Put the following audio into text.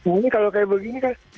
ini kalau kayak begini kan